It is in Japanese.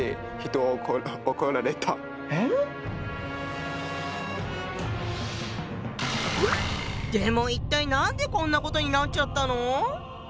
ええっ⁉でも一体何でこんなことになっちゃったの？